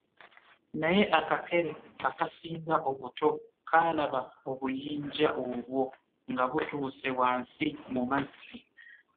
Naye akakere akasinga obuto kaalaba obuyinja obwo nga butuuse wansi mu mazzi.